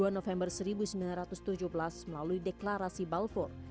dua puluh november seribu sembilan ratus tujuh belas melalui deklarasi balfour